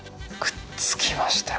くっつきました。